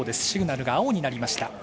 シグナルが青になりました。